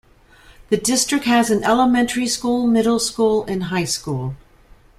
The district has an elementary school, middle school and high school.